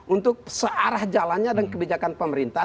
untuk searah jalannya dengan kebijakan pemerintah